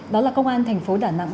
đó là công an thành phố đà nẵng